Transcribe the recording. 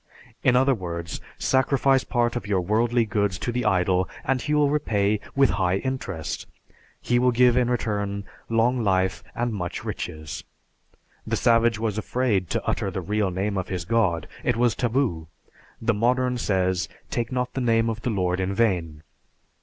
In other words, sacrifice part of your worldly goods to the idol, and he will repay with high interest. He will give in return long life and much riches. The savage was afraid to utter the real name of his god, it was taboo. The modern says, "Take not the name of the Lord in vain."